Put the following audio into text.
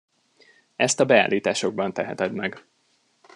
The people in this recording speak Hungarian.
Ezt a beállításokban teheted meg.